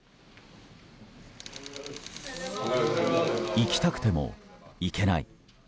行きたくても行けない。